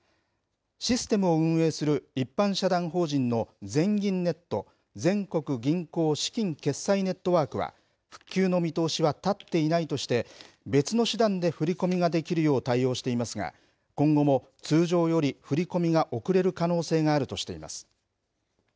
システムを運営する一般社団法人の全銀ネット・全国銀行資金決済ネットワークは、復旧の見通しは立っていないとして、別の手段で振り込みができるよう対応していますが、今後も通常より振り込みが遅れる可能性があるとしています。